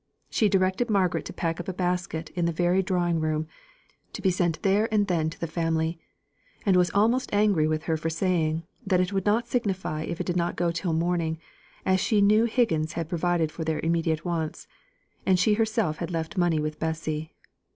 She directed Margaret to pack up a basket in the very drawing room, to be sent there and then to the family; and was almost angry with her for saying, that it would not signify if it did not go till morning, as she knew Higgins had provided for their immediate wants, and she herself had left money with Bessy.